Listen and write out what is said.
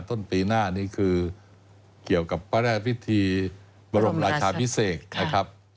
ต้นปีหน้านี้คือเกี่ยวกับพระราชพิธีบรมราชาพิเศษนะครับ